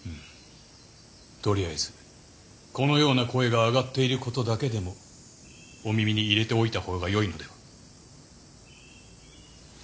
とりあえずこのような声が上がっていることだけでもお耳に入れておいた方がよいのでは。